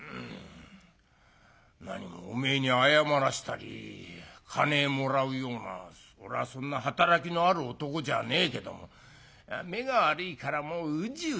「なにもおめえに謝らしたり金もらうような俺はそんな働きのある男じゃねえけども目が悪いからもううじうじしてなぁ」。